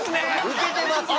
ウケてますよ。